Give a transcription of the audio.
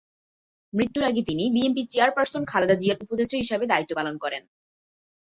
মৃত্যুর আগে তিনি বিএনপি চেয়ারপারসন খালেদা জিয়ার উপদেষ্টা হিসেবে দায়িত্ব পালন করেন।